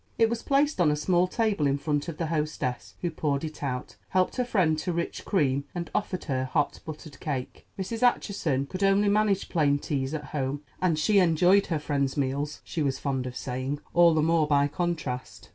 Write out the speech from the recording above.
It was placed on a small table in front of the hostess, who poured it out, helped her friend to rich cream, and offered her hot buttered cake. Mrs. Acheson could only manage plain teas at home, and she enjoyed her friend's meals, she was fond of saying, all the more by contrast.